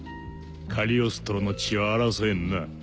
カリオストロの血は争えんな。